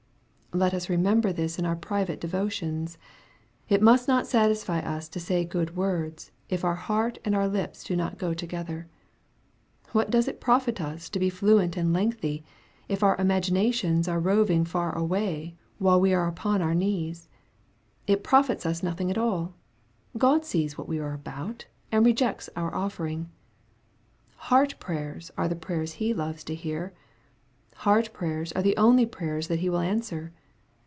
Let us remember this in our private devotions. It must not satisfy us to say good words, if our heart and our lips do not go together. What does it profit us to be fluent and lengthy, if our imaginations are roving far away, while we are upon our knees ? It profits us nothing at all. God sees what we are about, and rejects our offering. Heart prayers are the prayers He loves to hear. Heart prayers are the only prayers that He will answer.